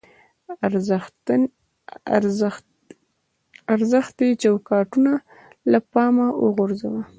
ارزښتي چوکاټونه له پامه وغورځوو.